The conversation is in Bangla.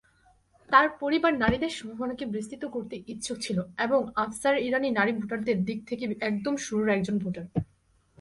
তাঁর পরিবার নারীদের সম্ভাবনাকে বিস্তৃত করতে ইচ্ছুক ছিল এবং আফসার ইরানী নারী ভোটারদের দিক থেকে একদম শুরুর একজন ভোটার।